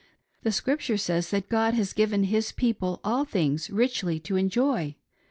The Scripture says that God has given his people all things richly to enjoy.